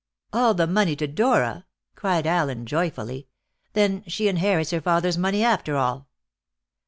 "All the money to Dora?" cried Allen joyfully. "Then she inherits her father's money, after all!"